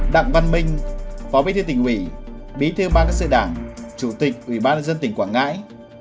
đặng văn minh phó bí thư tỉnh ủy bí thư ban các sự đảng chủ tịch ủy ban dân tỉnh quảng ngại